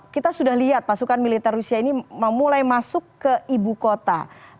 kita sudah lihat pasukan militer rusia ini memulai masuk ke ibu kota